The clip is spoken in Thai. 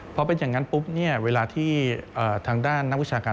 พอเป็นอย่างนั้นปุ๊บเนี่ยเวลาที่ทางด้านนักวิชาการ